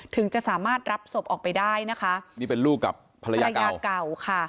ถึงจะสามารถรับศพออกไปได้นะคะนี่เป็นลูกกับภรรยาภรรยาเก่าค่ะ